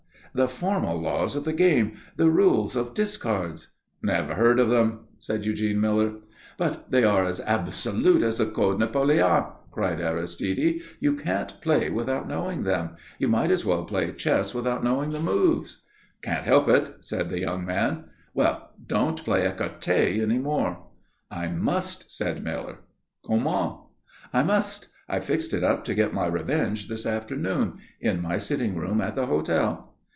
"The formal laws of the game the rules of discards " "Never heard of them," said Eugene Miller. "But they are as absolute as the Code Napoléon," cried Aristide. "You can't play without knowing them. You might as well play chess without knowing the moves." "Can't help it," said the young man. "Well, don't play ecarté any more." "I must," said Miller. "Comment?" "I must. I've fixed it up to get my revenge this afternoon in my sitting room at the hotel."